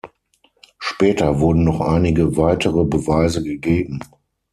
Später wurden noch einige weitere Beweise gegeben.